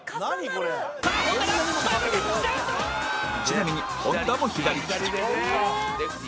ちなみに本田も左利き